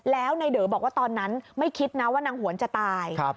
แล้วในเดอบอกว่าตอนนั้นไม่คิดนะว่านางหวนจะตาย